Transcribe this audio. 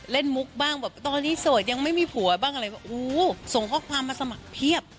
มุกบ้างแบบตอนนี้โสดยังไม่มีผัวบ้างอะไรแบบอู้ส่งข้อความมาสมัครเพียบ